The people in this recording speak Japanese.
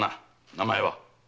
名前は？